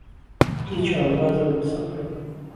کوتی چاوبازه وهک سهقره